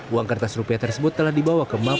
uang kertas rupiah tersebut telah dibawa ke mabes polri